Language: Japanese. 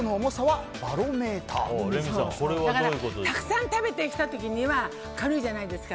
たくさん食べてきた時には軽いじゃないですか。